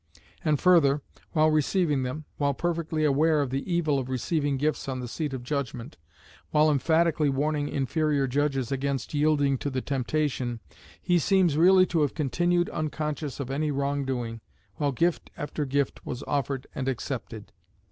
And further, while receiving them, while perfectly aware of the evil of receiving gifts on the seat of judgment, while emphatically warning inferior judges against yielding to the temptation, he seems really to have continued unconscious of any wrong doing while gift after gift was offered and accepted.